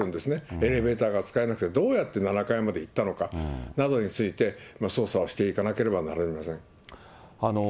エレベーターが使えなくてどうやって７階まで行ったのかなどについて、捜査をしていかなければなりません。